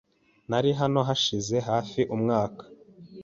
Nari hano hashize hafi umwaka.